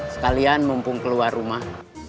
sekalian mumpung keluar rumah